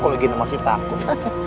kalau gini masih takut